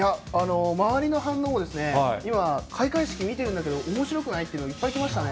周りの反応も、今、開会式見てるんだけど、おもしろくないっていうのが、いっぱい来ましたね。